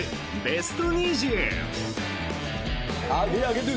ベスト２０！